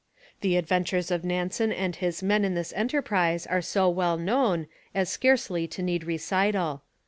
The adventures of Nansen and his men in this enterprise are so well known as scarcely to need recital.